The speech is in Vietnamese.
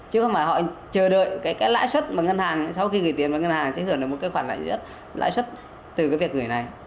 chứ không phải họ chờ đợi lãi suất mà ngân hàng sau khi gửi tiền vào ngân hàng sẽ gửi được một khoản lãi suất từ việc gửi này